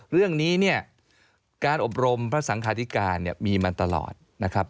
เรื่องนี้เนี่ยการอบรมพระสังคาธิการเนี่ยมีมาตลอดนะครับ